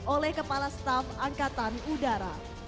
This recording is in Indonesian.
oleh kepala staf angkatan udara